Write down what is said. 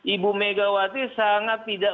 ibu mega wati sangat tidak